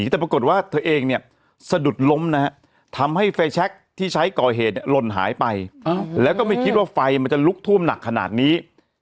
แต่ปรากฏว่าเธอเองเนี่ยสะดุดล้มนะฮะทำให้ไฟแชคที่ใช้ก่อเหตุเนี่ยหล่นหายไปแล้วก็ไม่คิดว่าไฟมันจะลุกท่วมหนักขนาดนี้